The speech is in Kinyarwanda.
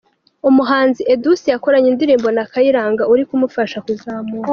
Umuhanzi Edouse yakoranye indirimbo na Kayiranga uri kumufasha kuzamuka